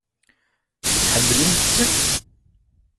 Tḥemmlemt-ten?